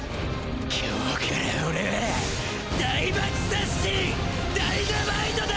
今日から俺はぁ大・爆・殺・神ダイナマイトだ！